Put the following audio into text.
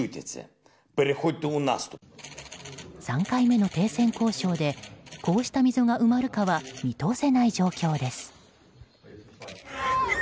３回目の停戦交渉でこうした溝が埋まるかは見通せない状況です。